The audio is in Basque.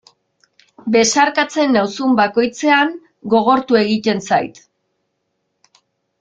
Besarkatzen nauzun bakoitzean gogortu egiten zait.